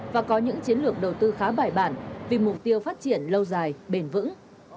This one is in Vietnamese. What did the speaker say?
và có những chiến lược đầu tư khá bài bản vì mục tiêu phát triển lâu dài bền vững